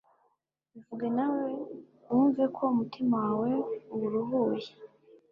bivuge nawe wumve ko umutima wawe uwuruhuye